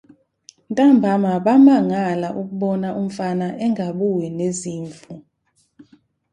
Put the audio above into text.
Ntambama bamangala ukubona umfana engabuyi nezimvu.